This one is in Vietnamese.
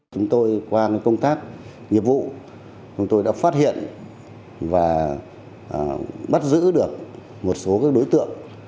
chúng tôi qua công tác nghiệp vụ chúng tôi đã phát hiện và bắt giữ được một số đối tượng